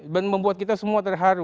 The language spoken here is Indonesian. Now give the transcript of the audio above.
dan membuat kita semua terharu